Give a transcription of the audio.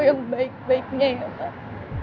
yang baik baiknya ya pak